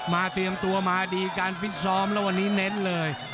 เตรียมตัวมาดีการฟิตซ้อมแล้ววันนี้เน้นเลย